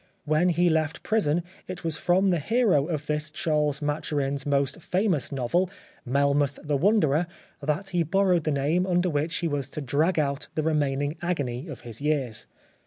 When he left prison it was from the hero of this Charles Maturin' s most famous novel, " Melmoth the Wanderer," that he borrowed the name under which he was to drag out the remaining agony of his years.